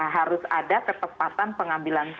harus ada ketepatan pengambilan